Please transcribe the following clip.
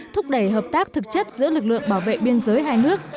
thúc đẩy hợp tác thực chất giữa lực lượng bảo vệ biên giới hai nước